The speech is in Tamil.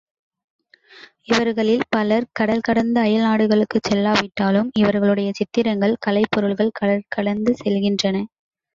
இவர்களில் பலர் கடல் கடந்து அயல் நாடுகளுக்குச் செல்லாவிட்டாலும், இவர்களுடைய சித்திரங்கள் கலைப்பொருள்கள் கடல் கடந்து செல்கின்றன.